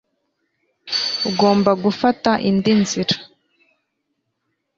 Ugomba gufata indi nzira